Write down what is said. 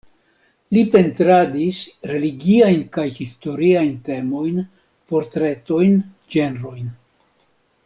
Li pentradis religiajn kaj historiajn temojn, portretojn, ĝenrojn.